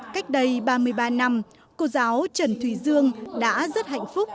cách đây ba mươi ba năm cô giáo trần thùy dương đã rất hạnh phúc